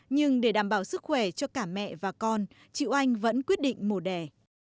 nhưng để đảm bảo sức khỏe cho cả mẹ và con chị anh vẫn quyết định mổ đẻ